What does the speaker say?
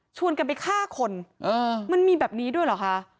กันไปฆ่าคนมันมีแบบนี้ด้วยเหรอคะ